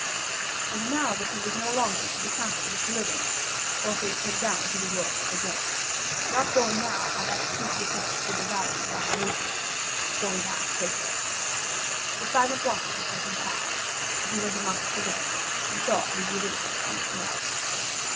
And now that he was no longer to be counted with the living, Orpheus went down to the world of the dead, not going now by that steep descent through the valley of Acherusia, but going down straightway. The silent watchers let him pass, and he went amongst the dead and saw his Eurydice in the throng.